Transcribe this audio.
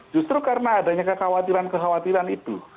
justru karena adanya kekhawatiran kekhawatiran itu